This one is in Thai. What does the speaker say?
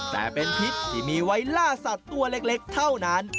แต่เป็นพิษที่มีไว้ล่าสัตว์ตัวเล็กเท่านั้น